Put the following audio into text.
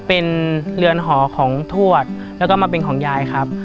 เป็นเรือนหอของทวดแล้วก็มาเป็นของยายครับ